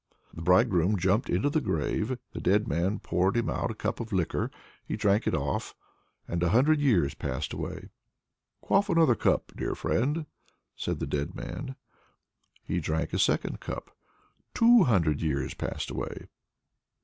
The bridegroom jumped into the grave. The dead man poured him out a cup of liquor. He drank it off and a hundred years passed away. "Quaff another cup, dear friend!" said the dead man. He drank a second cup two hundred years passed away.